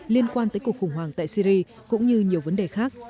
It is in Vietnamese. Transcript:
liên quan tới cuộc khủng hoảng tại syri cũng như nhiều vấn đề khác